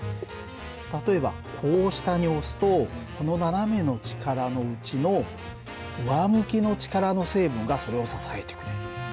例えばこう下に押すとこの斜めの力のうちの上向きの力の成分がそれを支えてくれる。